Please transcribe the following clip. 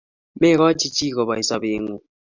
Megochi chi kobou sobeng'ung